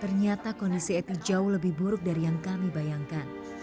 ternyata kondisi eti jauh lebih buruk dari yang kami bayangkan